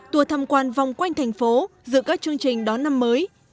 tùa thăm quan vòng quanh thành phố dự các chương trình đón năm mới